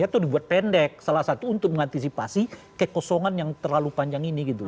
itu dibuat pendek salah satu untuk mengantisipasi kekosongan yang terlalu panjang ini gitu